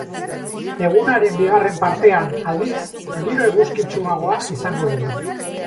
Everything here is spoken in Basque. Egunaren bigarren partean, aldiz, giro eguzkitsuagoa izango dugu.